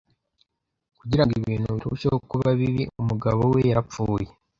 Kugira ngo ibintu birusheho kuba bibi, umugabo we yarapfuye.